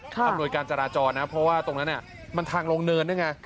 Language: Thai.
อำนวยการจราจรนะครับเพราะว่าตรงนั้นเนี่ยมันทางลงเนินเนี่ยไง